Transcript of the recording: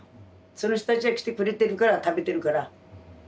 その人たちが来てくれてるから食べてるから。